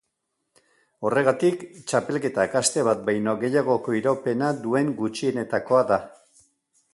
Horregatik, txapelketak aste bat baino gehiagoko iraupena duen gutxienetakoa da.